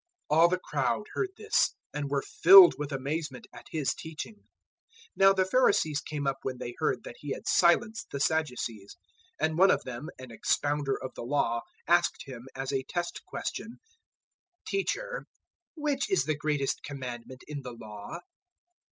022:033 All the crowd heard this, and were filled with amazement at His teaching. 022:034 Now the Pharisees came up when they heard that He had silenced the Sadducees, 022:035 and one of them, an expounder of the Law, asked Him as a test question, 022:036 "Teacher, which is the greatest Commandment in the Law?"